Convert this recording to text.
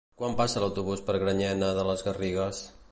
Quan passa l'autobús per Granyena de les Garrigues?